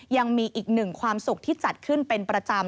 ยังมีอีกหนึ่งความสุขที่จัดขึ้นเป็นประจำ